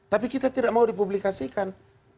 tapi kita tidak mau dipublikasikan